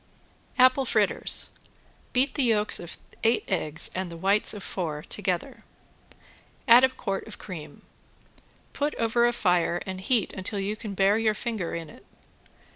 ~APPLE FRITTERS~ Beat the yolks of eight eggs and the white of four together. Add a quart of cream. Put over a fire and heat until you can bear your finger in it.